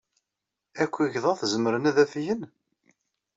Akk igḍaḍ zemren ad afgen?